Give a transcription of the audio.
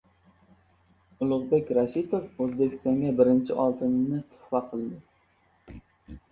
Ulug‘bek Rashitov O‘zbekistonga birinchi oltinni tuhfa qildi!